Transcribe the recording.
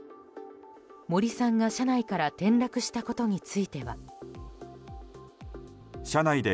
森さんが車内から転落したことについては。